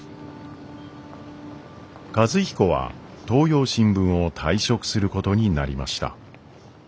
和彦は東洋新聞を退職することになりました。